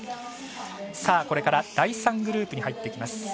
これから第３グループに入ってきます。